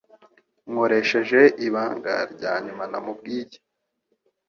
nkoresheje Ibanga ryanyuma ntamubwiye